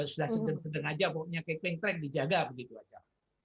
sudah sedang sedang saja pokoknya kayak peng trek dijaga begitu saja